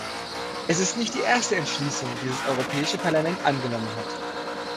Es ist nicht die erste Entschließung, die das Europäische Parlament angenommen hat.